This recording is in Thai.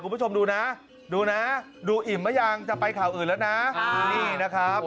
คุณผู้ชมดูนะดูนะดูอิ่มหรือยังจะไปข่าวอื่นแล้วนะนี่นะครับ